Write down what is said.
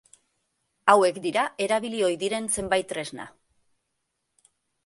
Hauek dira erabili ohi diren zenbait tresna.